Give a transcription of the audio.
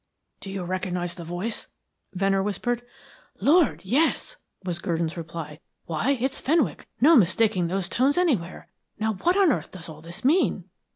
"Do you recognise the voice?" Venner whispered. "Lord! yes," was Gurdon's reply. "Why, it's Fenwick. No mistaking those tones anywhere. Now, what on earth does all this mean?"